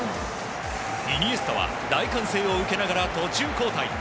イニエスタは大歓声を受けながら途中交代。